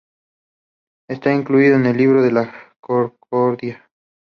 Están incluidos en el "Libro de la Concordia".